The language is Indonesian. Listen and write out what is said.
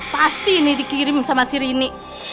pasti ini dikirim sama si rini